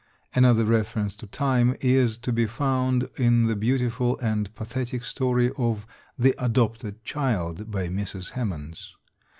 Another reference to thyme is to be found in the beautiful and pathetic story of "The Adopted Child" by Mrs. Hemans.